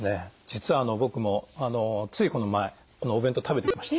実は僕もついこの前このお弁当食べてきました。